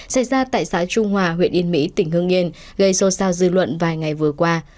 xảy ra tại xã trung hòa huyện yên mỹ tỉnh hương yên gây xôn xao dư luận vài ngày vừa qua